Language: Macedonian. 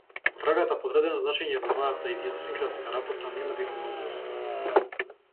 Потрагата по одредено значење во мојата идиосинкратска работа нема да има многу резултат.